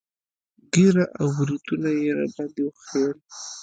ږيره او برېتونه يې راباندې وخرييل.